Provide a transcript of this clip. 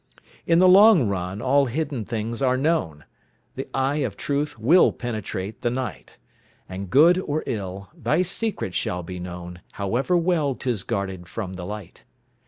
In the long run all hidden things are known, The eye of truth will penetrate the night, And good or ill, thy secret shall be known, However well 'tis guarded from the light.